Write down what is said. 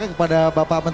yang membuatkan jawa timur